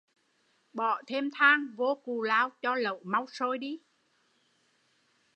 Bỏ thêm than vô cù lao cho lẩu mau sôi